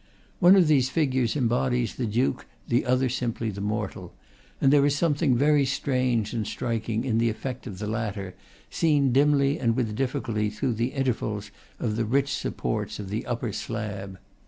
One of these figures embodies the duke the other simply the mortal; and there is something very strange and striking in the effect of the latter, seen dimly and with difficulty through the intervals of the rich supports of the upper slab.